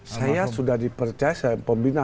saya sudah dipercaya saya pembina